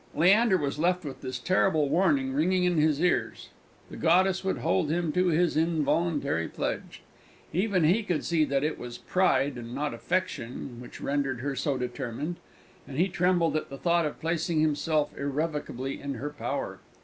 Leander was left with this terrible warning ringing in his ears: the goddess would hold him to his involuntary pledge. Even he could see that it was pride, and not affection, which rendered her so determined; and he trembled at the thought of placing himself irrevocably in her power.